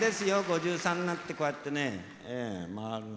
５３になってこうやってね回るのは。